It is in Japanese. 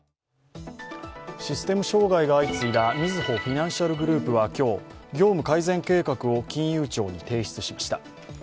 システム障害が相次いだみずほフィナンシャルグループは今日業務改善計画を金融庁に提出しました。